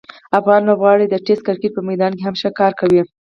افغان لوبغاړي د ټسټ کرکټ په میدان کې هم ښه کار کوي.